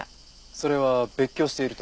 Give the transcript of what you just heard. それは別居していると？